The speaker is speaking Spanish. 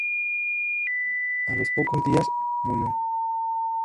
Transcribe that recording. A los pocos días, murió.